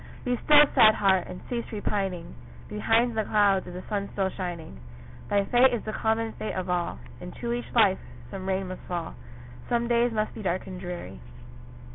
Be still, sad heart! and cease repining; Behind the clouds is the sun still shining; Thy fate is the common fate of all, Into each life some rain must fall, Some days must be dark and dreary.